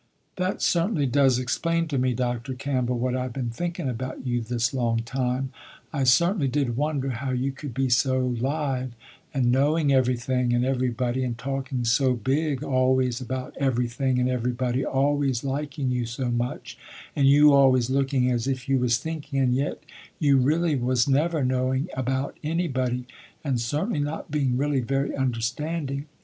"That certainly does explain to me Dr. Campbell what I been thinking about you this long time. I certainly did wonder how you could be so live, and knowing everything, and everybody, and talking so big always about everything, and everybody always liking you so much, and you always looking as if you was thinking, and yet you really was never knowing about anybody and certainly not being really very understanding.